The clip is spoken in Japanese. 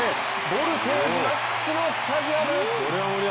ボルテージマックスのスタジアム。